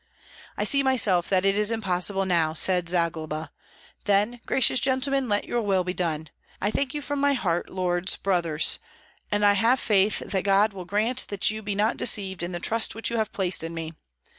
"I see myself that it is impossible now," said Zagloba; "then, gracious gentlemen, let your will be done. I thank you from my heart, lords brothers, and I have faith that God will grant that you be not deceived in the trust which you have placed in me.